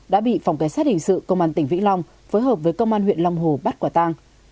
đã bị phòng cảnh sát hình sự công an tỉnh vĩnh long phối hợp với công an huyện long hồ bắt quả tang